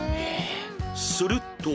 すると